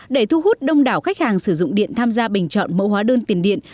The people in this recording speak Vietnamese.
để thu hút đông đảo khách hàng sử dụng điện tham gia bình chọn mẫu hóa đơn tiền điện